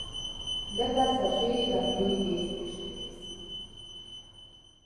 لکه څپې لمبیږي